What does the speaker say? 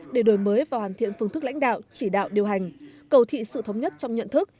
để đổi mới và hoàn thiện phương thức lãnh đạo chỉ đạo điều hành cầu thị sự thống nhất trong nhận thức